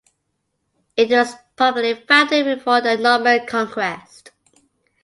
It was probably founded before the Norman Conquest.